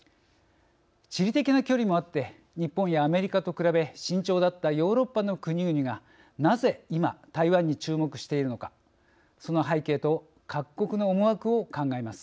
地理的な距離もあって日本やアメリカと比べ慎重だったヨーロッパの国々がなぜ今、台湾に注目しているのかその背景と各国の思惑を考えます。